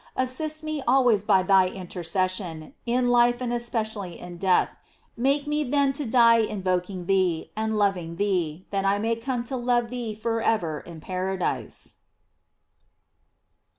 Assist me always by thy intercession, in life and especially in death; make me then to die invoking thee, and loving thee, that I may come to love thee forever in paradise.